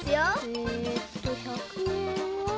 えっと１００えんは。